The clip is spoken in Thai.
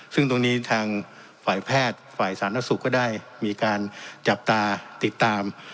ซึ่งตรงนี้ทางฝ่ายแพทย์ฝ่ายสาธารณสุขก็ได้มีการจับตาติดตาม